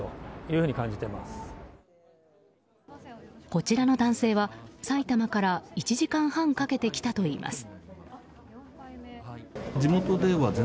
こちらの男性は、埼玉から１時間半かけて来たといいます。